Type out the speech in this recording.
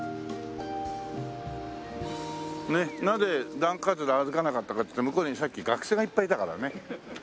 なぜ段歩かなかったかっていうと向こうにさっき学生がいっぱいいたからね。